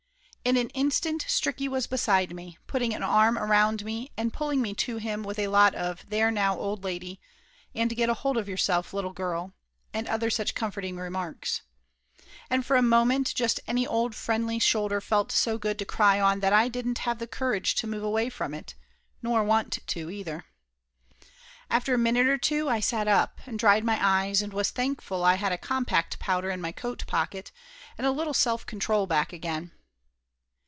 In an instant Stricky was beside me, putting a arm around me and pulling me to him with a lot of there now old lady and get hold of yourself little girl and other such comforting remarks. And for a moment just any old friendly shoulder felt so good to cry on that I didn't have the courage to move away from 119 120 Laughter Limited it, nor want to either. After a minute or two I sat up and dried my eyes and was thankful I had a com pact powder in my coat pocket, and a little self control back again.